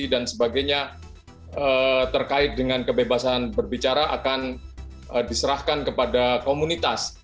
dan sebagainya terkait dengan kebebasan berbicara akan diserahkan kepada komunitas